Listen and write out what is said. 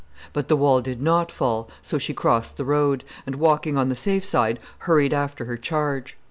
But the wall did not fall, so she crossed the road, and walking on the safe side, hurried after her charge.